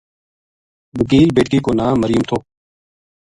وکیل بیٹکی کو ناں مریم تھو